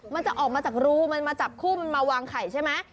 มันจะออกมาจากรูมันมาจับคู่มันมาวางไข่ใช่ไหม